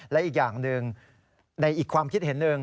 และอีกอย่างหนึ่งในอีกความคิดเห็นหนึ่ง